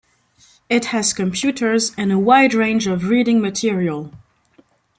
It has computers and a wide range of reading material.